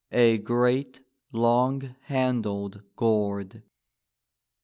a great, long handled gourd.